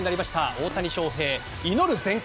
大谷翔平祈る全快！